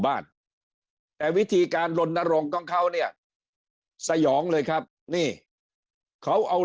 บ้านแต่วิธีการลนรงค์ของเขาเนี่ยสยองเลยครับนี่เขาเอา